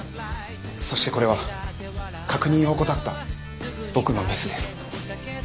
そしてこれは確認を怠った僕のミスです。